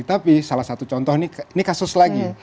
tapi salah satu contoh ini kasus lagi